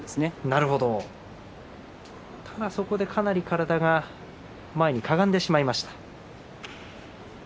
なるほどただ、そこで体が前にかがんでしまいました。